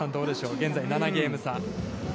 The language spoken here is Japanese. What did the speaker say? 現在７ゲーム差。